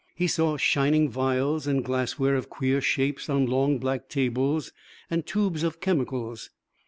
He saw shining vials and glassware of queer shapes on long black tables, and tubes of chemicals.